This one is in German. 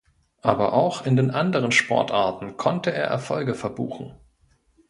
Aber auch in den anderen Sportarten konnte er Erfolge verbuchen.